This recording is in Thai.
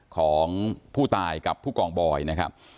ของผู้ตายกับผู้กองบอยนะครับ